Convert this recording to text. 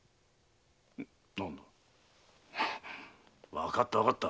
わかったわかった。